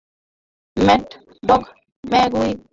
Mad Dog ম্যাগুইর?